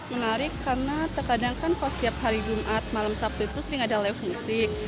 menarik karena terkadang kan kalau setiap hari jumat malam sabtu itu sering ada live music